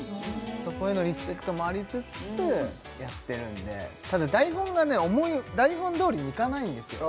そこへのリスペクトもありつつやってるんでただ台本がね台本どおりにいかないんですよ